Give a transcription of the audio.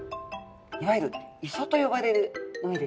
いわゆる磯と呼ばれる海ですね。